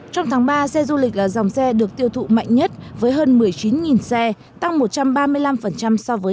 trong tháng ba xe du lịch là dòng xe được tiêu thụ mạnh nhất với hơn một mươi chín xe tăng một trăm ba mươi năm so với